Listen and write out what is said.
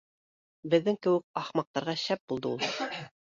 Беҙҙең кеүек ахмаҡтарға шәп булды ул